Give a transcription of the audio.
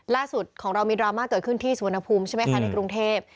ล่าสุดของเรามีดราม่าเกิดขึ้นที่สุวรรณภูมิใช่ไหมคะในกรุงเทพ